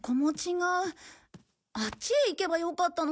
あっちへ行けばよかったのかな。